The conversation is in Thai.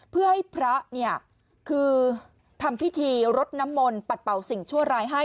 เพื่อให้พระเนี่ยคือทำพิธีรดน้ำมนต์ปัดเป่าสิ่งชั่วร้ายให้